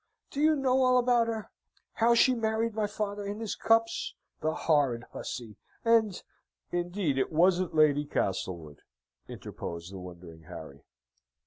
Do you know all about her? How she married my father in his cups the horrid hussey! and..." "Indeed it wasn't Lady Castlewood," interposed the wondering Harry.